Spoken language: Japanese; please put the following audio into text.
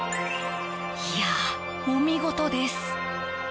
いやあ、お見事です。